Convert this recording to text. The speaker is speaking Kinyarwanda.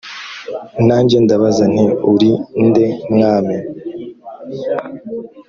nanjye ndabaza nti uri nde mwami